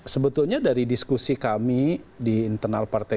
sebetulnya dari diskusi kami di internal partai